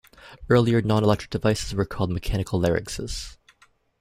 Earlier non-electric devices were called mechanical larynxes.